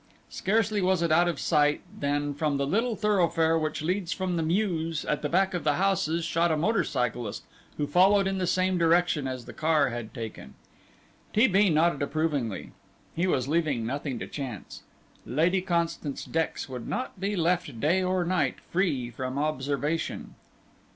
Scarcely was it out of sight than from the little thoroughfare which leads from the mews at the back of the houses shot a motor cyclist who followed in the same direction as the car had taken. T. B. nodded approvingly; he was leaving nothing to chance. Lady Constance Dex would not be left day or night free from observation.